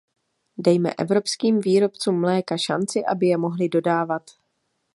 Dejme evropským výrobcům mléka šanci, aby je mohli dodávat.